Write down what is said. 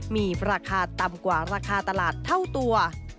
มีราคาต่ำกว่าราคาตลาดเท่าตัว